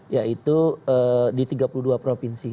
yaitu di tiga puluh dua provinsi